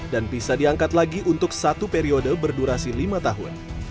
dan bisa diangkat lagi untuk satu periode berdurasi lima tahun